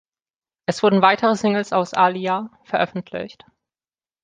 Es wurden weitere Singles aus "Aaliyah" veröffentlicht.